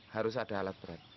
harus ada halus berat